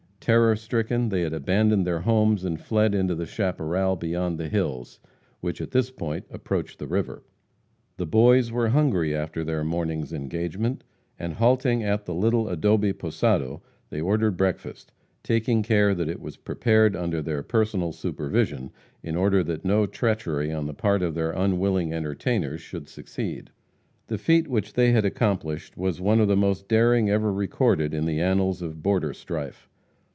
Terror stricken, they had abandoned their homes and fled into the chaparral beyond the hills, which at this point approach the river. The Boys were hungry after their morning's engagement, and halting at the little adobe posado, they ordered breakfast, taking care that it was prepared under their personal supervision, in order that no treachery on the part of their unwilling entertainers should succeed. The feat which they had accomplished was one of the most daring ever recorded in the annals of border strife.